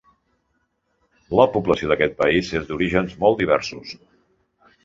La població d'aquest país és d'orígens molt diversos.